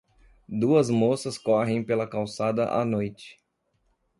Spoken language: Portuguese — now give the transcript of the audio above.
Duas moças correm pela calçada à noite.